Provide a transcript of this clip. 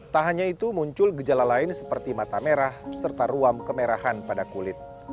tak hanya itu muncul gejala lain seperti mata merah serta ruam kemerahan pada kulit